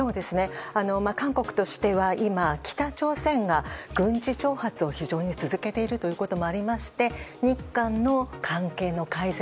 韓国としては今、北朝鮮が軍事挑発を非常に続けているということもありまして日韓の関係の改善